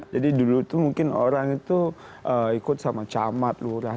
jadi dulu tuh mungkin orang itu ikut sama camat lurah